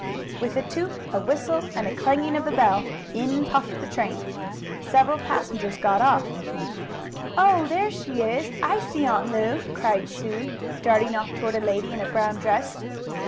With a toot, a whistle and a clanging of the bell, in puffed the train. Several passengers got off. "Oh, there she is! I see Aunt Lu!" cried Sue, darting off toward a lady in a brown dress.